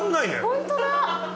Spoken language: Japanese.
ホントだ！